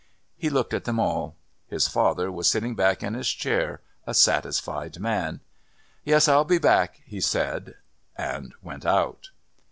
He looked at them all. His father was sitting back in his chair, a satisfied man. "Yes, I'll be back," he said, and went out.